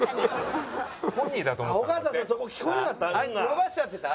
伸ばしちゃってた？